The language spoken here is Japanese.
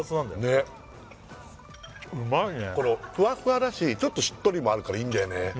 ねっうまいねこのふわふわだしちょっとしっとりもあるからいいんだよね